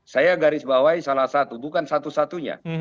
saya garis bawahi salah satu bukan satu satunya